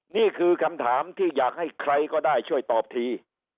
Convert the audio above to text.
นี่คือคำถามที่อยากให้ใครก็ได้ช่วยตอบที